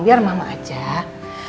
biar mama ajak